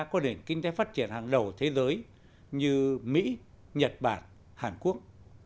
có nền kinh tế phát triển hàng đầu thế giới như mỹ nhật bản hàn quốc